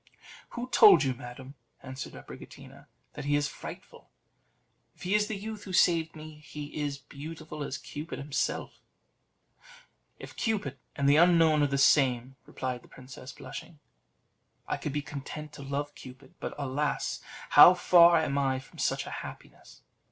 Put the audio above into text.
"Who told you, madam," answered Abricotina, "that he is frightful? If he is the youth who saved me, he is beautiful as Cupid himself." "If Cupid and the unknown are the same," replied the princess, blushing, "I could be content to love Cupid; but alas! how far am I from such a happiness!